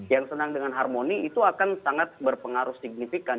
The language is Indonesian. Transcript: yang senang dengan harmoni itu akan sangat berpengaruh signifikan